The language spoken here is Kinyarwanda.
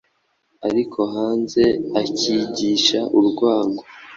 ariko hanze akigisha urwango.